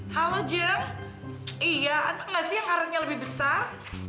halo jeng iya ada nggak sih yang arahnya lebih besar